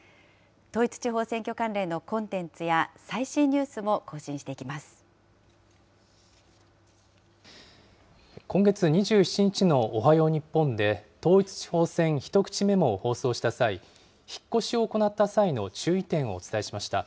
統一地方選挙関連のコンテンツや今月２７日のおはよう日本で、統一地方選ひとくちメモを放送した際、引っ越しを行った際の注意点をお伝えしました。